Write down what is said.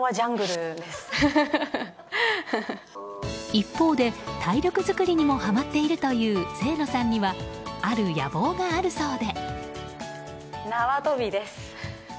一方で、体力作りにもはまっているという清野さんにはある野望があるそうで。